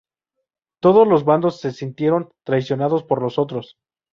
Todos los bandos se sintieron traicionados por los otros.